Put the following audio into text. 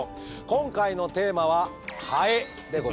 今回のテーマは「ハエ」でございます。